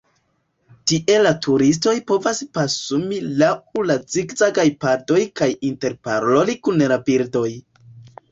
Tie la turistoj povas pasumi lau la zigzagaj padoj kaj interparoli kun la birdoj.